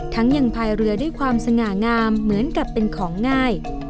ยังพายเรือด้วยความสง่างามเหมือนกับเป็นของง่าย